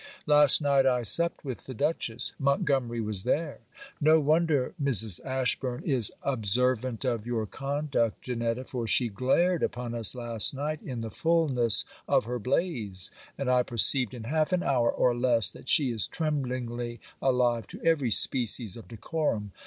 Last night I supped with the Dutchess; Montgomery was there. No wonder Mrs. Ashburn is observant of your conduct, Janetta; for she glared upon us last night in the fullness of her blaze, and I perceived in half an hour or less that she is tremblingly alive to every species of decorum.